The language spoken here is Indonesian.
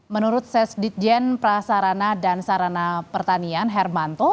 menurut sesditjen prasarana dan sarana pertanian hermanto